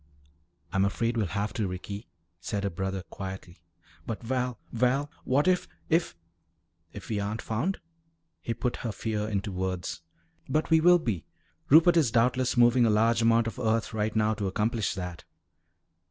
"I'm afraid we'll have to, Ricky," said her brother quietly. "But, Val Val, what if if " "If we aren't found?" he put her fear into words. "But we will be. Rupert is doubtless moving a large amount of earth right now to accomplish that."